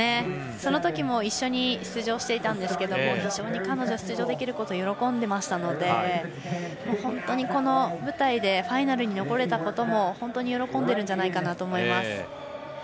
そのときも一緒に出場していたんですが非常に彼女出場できること喜んでましたので本当に、この舞台でファイナルに残れたことも本当に喜んでいると思います。